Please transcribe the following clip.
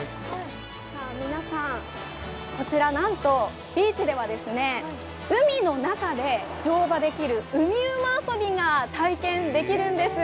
さあ皆さん、こちらなんとビーチでは海の中で乗馬できる、海馬遊びが体験できるんです。